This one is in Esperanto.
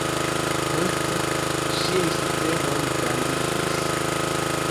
Poste, ŝiaj suferoj grandiĝis.